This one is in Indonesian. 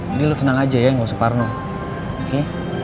jadi lo tenang aja ya gak usah parno oke